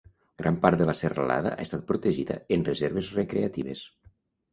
Gran part de la serralada ha estat protegida en reserves recreatives.